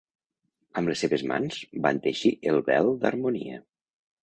Amb les seves mans van teixir el vel d'Harmonia.